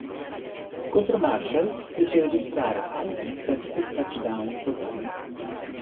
Contro Marshall fece registrare altri sette touchdown totali.